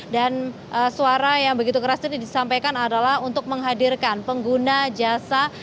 dan suara yang begitu keras ini disampaikan adalah untuk menghadirkan pengguna jasa